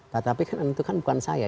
tetapi kan itu kan bukan saya